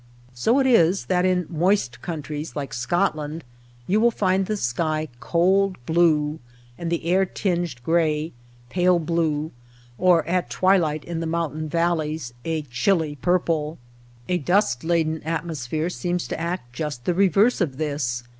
So it is that in moist countries like Scotland you will find the sky cold blue and the air tinged gray, pale blue, or at twi light in the mountain valleys, a chilly purple. A dust laden atmosphere seems to act just the reverse of this.